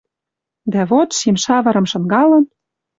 Дӓ вот, шим шавырым шынгалын